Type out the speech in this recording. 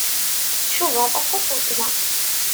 Tcubaḍ aṭas weltma.